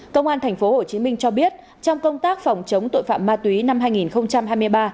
công an tp hcm cho biết trong công tác phòng chống tội phạm ma túy năm hai nghìn hai mươi ba